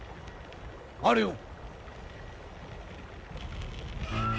あれを。